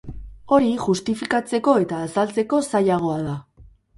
Hori justifikatzeko eta azaltzeko zailagoa da.